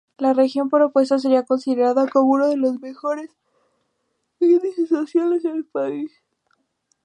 La región propuesta sería considerada como uno de los mejores índices sociales del país.